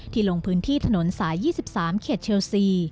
ลงพื้นที่ถนนสาย๒๓เขตเชลซี